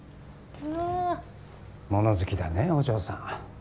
物好きだねお嬢さん。